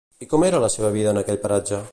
I com era la seva vida en aquell paratge?